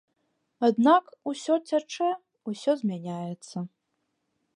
Аднак усё цячэ, усё змяняецца.